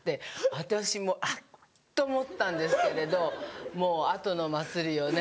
私も「あっ」と思ったんですけれどもう後の祭りよね